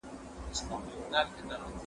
شپه او ورځ یې پر خپل ځان باندي یوه کړه